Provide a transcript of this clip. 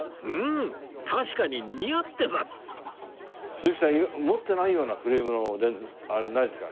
鈴木さん持ってないようなフレームのレンズないですか？